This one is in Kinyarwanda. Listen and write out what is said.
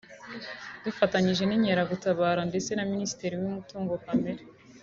Dufanyije n’inkeragutabara ndetse na Minisiteri y’umutungo kamere[